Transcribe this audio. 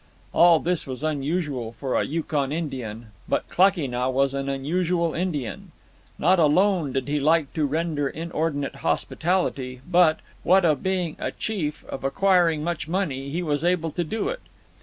All this was unusual for a Yukon Indian, but Klakee Nah was an unusual Indian. Not alone did he like to render inordinate hospitality, but, what of being a chief and of acquiring much money, he was able to do it.